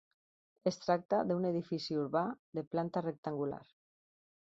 Es tracta d'un edifici urbà de planta rectangular.